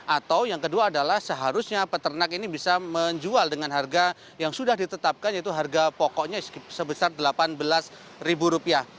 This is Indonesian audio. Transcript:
atau yang kedua adalah seharusnya peternak ini bisa menjual dengan harga yang sudah ditetapkan yaitu harga pokoknya sebesar delapan belas ribu rupiah